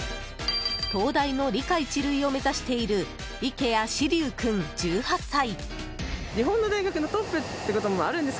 東大の理科一類を目指している池谷欣龍君、１８歳。